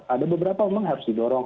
ada beberapa memang harus didorong